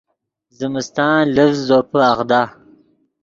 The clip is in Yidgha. زمستان لڤز زوپے اغدا